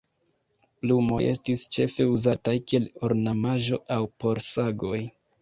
Plumoj estis ĉefe uzataj kiel ornamaĵo aŭ por sagoj.